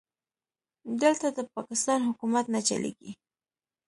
دلته د پاکستان حکومت نه چلېږي.